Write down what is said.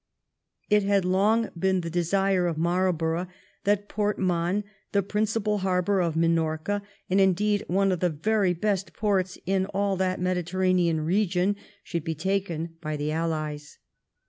It had long been the desire of Marlborough that Port Mahon, the principal harbour of Minorca, and, indeed, one of the very best ports in all that Mediter ranean region, should be taken by the, Allies.